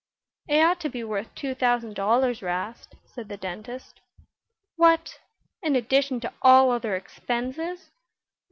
"It ought to be worth two thousand dollars, 'Rast," said the dentist. "What! In addition to all other expenses?"